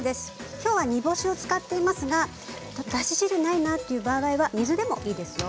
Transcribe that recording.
今日は煮干しを使っていますがだし汁がないなという場合は水でもいいですよ。